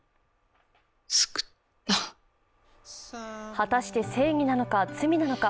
果たして正義なのか、罪なのか。